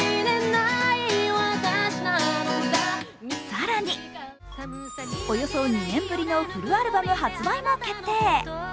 更に、およそ２年ぶりのフルアルバム発売も決定。